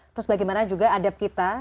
terus bagaimana juga adab kita